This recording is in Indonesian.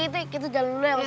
itu kita jalan dulu ya mas